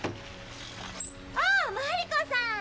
あーマリコさん。